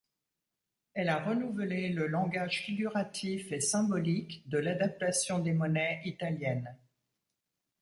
Elle a renouvelé le langage figuratif et symbolique de l'adaptation des monnaies italienne.